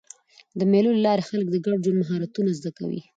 د مېلو له لاري خلک د ګډ ژوند مهارتونه زده کوي.